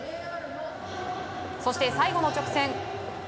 そして最後の直線。